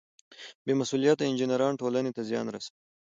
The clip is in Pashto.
بې مسؤلیته انجینران ټولنې ته زیان رسوي.